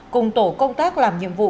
cùng tổ công tác làm nhiệm vụ